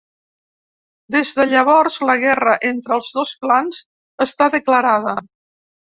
Des de llavors, la guerra entre els dos clans està declarada.